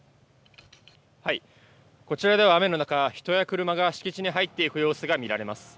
こちらでは雨の中、人や車が敷地に入っていく様子が見られます。